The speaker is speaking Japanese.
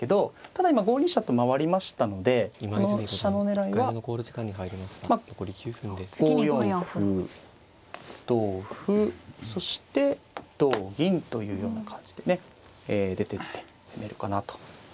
ただ今５二飛車と回りましたのでこの飛車の狙いはまあ５四歩同歩そして同銀というような感じでねえ出てって攻めるかなと。